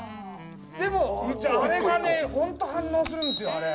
でもあれがねホント反応するんですよあれ。